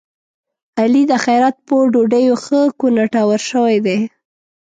علي د خیرات په ډوډيو ښه کوناټور شوی دی.